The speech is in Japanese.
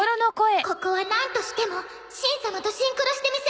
ここはなんとしてもしん様とシンクロしてみせますわ！